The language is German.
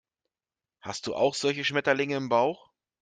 Hast du auch solche Schmetterlinge im Bauch?